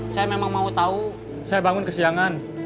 semarang semarang semarang